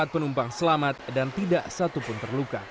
enam puluh empat penumpang selamat dan tidak satu pun terluka